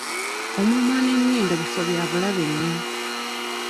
Omumwa n'ennyindo bifo bya bulabe nnyo.